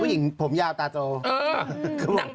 ผู้หญิงผมเยาะต้อง